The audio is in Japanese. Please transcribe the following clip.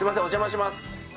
お邪魔します。